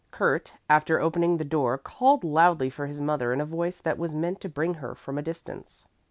Kurt, after opening the door, called loudly for his mother in a voice that was meant to bring her from a distance.